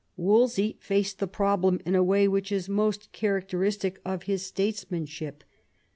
Wolsey faced the problem in a way which is most characteristic of his statesmanship.